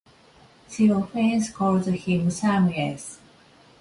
Theophanes calls him Euthymius.